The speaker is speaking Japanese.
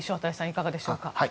いかがでしょうか。